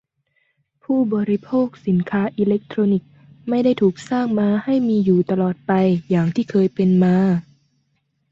ผู้บริโภคสินค้าอิเลคโทรนิกส์ไม่ได้ถูกสร้างมาให้มีอยู่ตลอดไปอย่างที่เคยเป็นมา